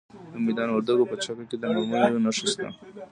د میدان وردګو په چک کې د مرمرو نښې شته.